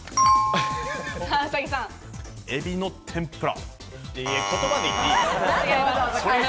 エビの天ぷら。